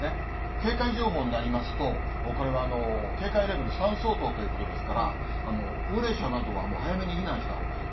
警戒情報になりますと、これは警戒レベル３相当ということですから、高齢者などはもう早めに避難したほうがいい。